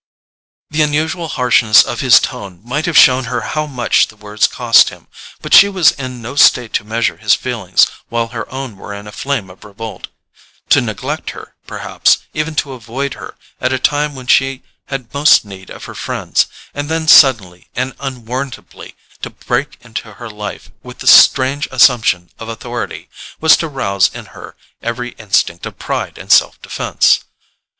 The unusual harshness of his tone might have shown her how much the words cost him; but she was in no state to measure his feelings while her own were in a flame of revolt. To neglect her, perhaps even to avoid her, at a time when she had most need of her friends, and then suddenly and unwarrantably to break into her life with this strange assumption of authority, was to rouse in her every instinct of pride and self defence.